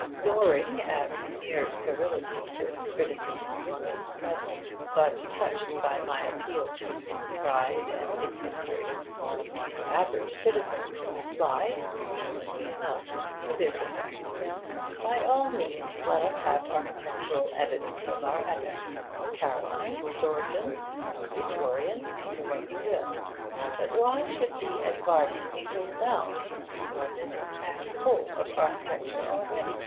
Ignoring as mere scurrility this criticism of London's present, but touched by my appeal to his pride in its history, the average citizen will reply, reasonably enough, to this effect: 'By all means let us have architectural evidence of our epochs Caroline, Georgian, Victorian, what you will. But why should the Edvardian be ruled out? London is packed full of architecture already.